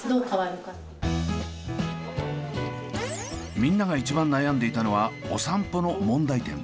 みんなが一番悩んでいたのはお散歩の問題点。